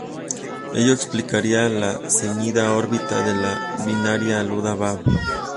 Ello explicaría la ceñida órbita de la binaria Alula Bab.